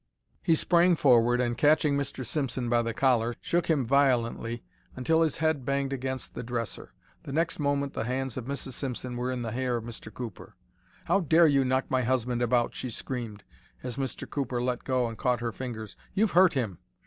He sprang forward and, catching Mr. Simpson by the collar, shook him violently until his head banged against the dresser. The next moment the hands of Mrs. Simpson were in the hair of Mr. Cooper. "How dare you knock my husband about!" she screamed, as Mr. Cooper let go and caught her fingers. "You've hurt him."